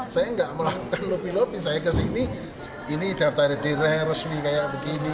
saya nggak melakukan lobby lobby saya kesini ini daftar diri resmi kayak begini